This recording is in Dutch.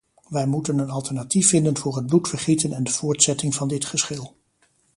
Wij moeten een alternatief vinden voor het bloedvergieten en de voortzetting van dit geschil.